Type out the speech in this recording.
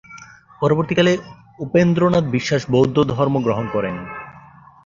পরবর্তীকালে উপেন্দ্রনাথ বিশ্বাস বৌদ্ধ ধর্ম গ্রহণ করেন।